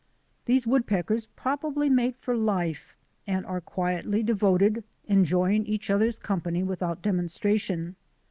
These woodpeckers probably mate for life, and are quietly devoted, enjoying each other's company without demonstration.